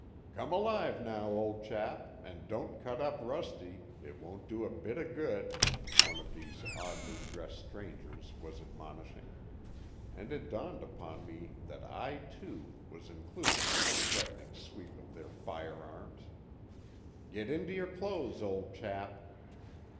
"Come alive now, old chap, and don't cut up rusty—it won't do a bit o' good," one of these oddly dressed strangers was admonishing; and it dawned upon me that I, too, was included in the threatening sweep of their firearms. "Get into your clothes, old chap."